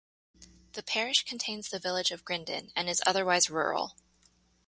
The parish contains the village of Grindon and is otherwise rural.